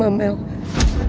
baik yang wallpaper